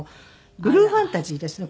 ブルーファンタジーですね。